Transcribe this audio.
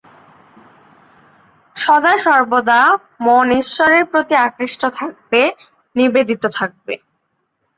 সদাসর্বদা মন ঈশ্বরের প্রতি আকৃষ্ট থাকিবে, নিবেদিত থাকিবে।